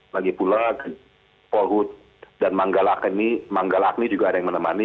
lagi pula polhut dan manggalakni juga ada yang menemani